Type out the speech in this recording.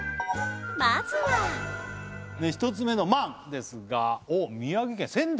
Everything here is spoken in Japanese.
まずは１つ目のまんですがおっ宮城県仙台？